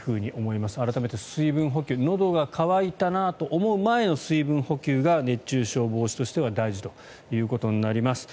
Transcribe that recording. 改めて水分補給のどが渇いたなと思う前の水分補給が熱中症防止としては大事ということになります。